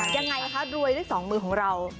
ยังไงคะรวยด้วยสองมือของเรา